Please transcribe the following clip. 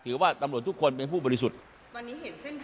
ถือว่าตำรวจทุกคนเป็นผู้บริสุทธิ์ตอนนี้เห็นเส้นทางการเงินไหมคะ